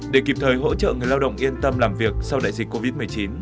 để kịp thời hỗ trợ người lao động yên tâm làm việc sau đại dịch covid một mươi chín